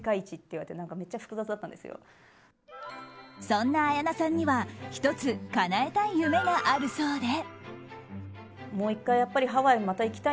そんな綾菜さんには１つかなえたい夢があるそうで。